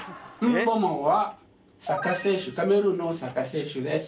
「ンボマ」はサッカー選手カメルーンのサッカー選手です。